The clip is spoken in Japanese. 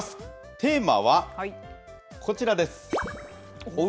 テーマはこちらです。